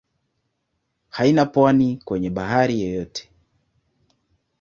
Haina pwani kwenye bahari yoyote.